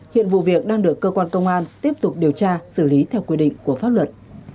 hiện vụ việc đang được cơ quan công an tiếp tục điều tra xử lý theo quy định của pháp luật